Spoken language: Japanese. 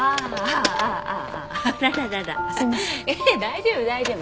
大丈夫大丈夫。